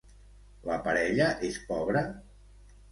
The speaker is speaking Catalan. La parella és pobra?